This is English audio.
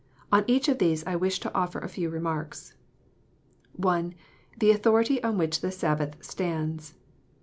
On each of these I wish to offer a few remarks. I. The authority on which the Sabbath stands.